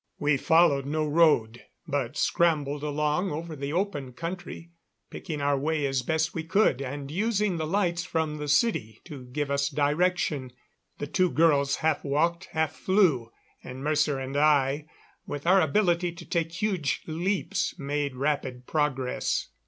We followed no road, but scrambled along over the open country, picking our way as best we could, and using the lights from the city to give us direction. The two girls half walked, half flew, and Mercer and I, with our ability to take huge leaps, made rapid progress.